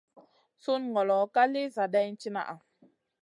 Sunu ŋolo ka lì zadaina tìnaha.